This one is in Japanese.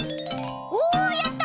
おやった！